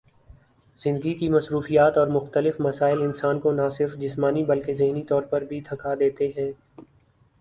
زندگی کی مصروفیات اور مختلف مسائل انسان کو نہ صرف جسمانی بلکہ ذہنی طور پر بھی تھکا دیتے ہیں